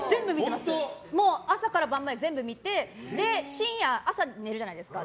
朝から晩まで全部見て朝寝るじゃないですか。